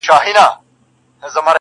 نن ځم له لېونو څخه به سوال د لاري وکم!.